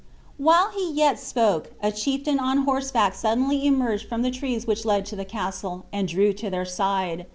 While he yet spoke, a chieftain on horseback suddenly emerged from the trees which led to the castle, and drew to their side.